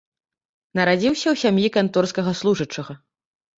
Нарадзіўся ў сям'і канторскага служачага.